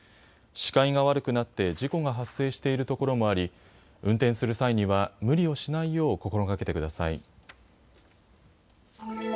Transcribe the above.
視界が悪くなって事故が発生しているところもあり運転する際には無理をしないよう心がけてください。